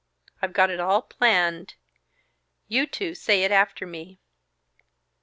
I've got it all planned. You two say it after me."